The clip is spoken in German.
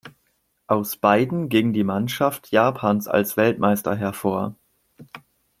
Aus beiden ging die Mannschaft Japans als Weltmeister hervor.